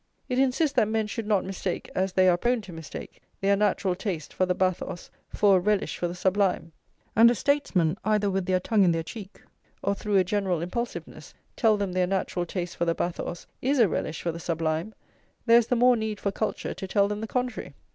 It insists that men should not mistake, as they are prone to mistake, their natural taste for the bathos for a relish for the sublime; and if statesmen, either [lvi] with their tongue in their cheek or through a generous impulsiveness, tell them their natural taste for the bathos is a relish for the sublime, there is the more need for culture to tell them the contrary.